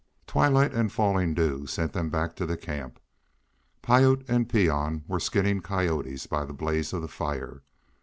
Twilight and falling dew sent them back to the camp. Piute and Peon were skinning coyotes by the blaze of the fire.